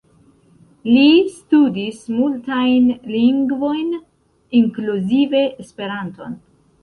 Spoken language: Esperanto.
Li studis multajn lingvojn, inkluzive Esperanton.